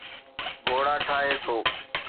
گهوڙا ٺاهي ٿو